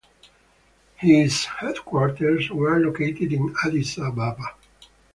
His headquarters were located in Addis Ababa.